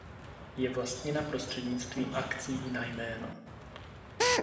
Je vlastněna prostřednictvím akcií na jméno.